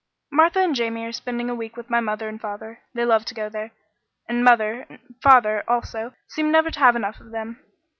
"Martha and Jamie are spending a week with my mother and father. They love to go there, and mother and father, also, seem never to have enough of them.